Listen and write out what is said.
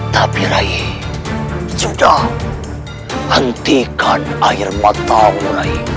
tapi raih sudah hentikan air matamu rai